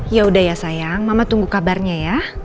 yaudah ya sayang mama tunggu kabarnya ya